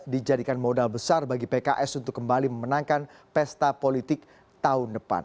dijadikan modal besar bagi pks untuk kembali memenangkan pesta politik tahun depan